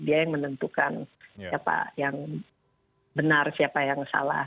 dia yang menentukan siapa yang benar siapa yang salah